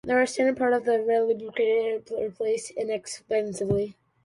These are a standard part and can be re-lubricated or replaced inexpensively.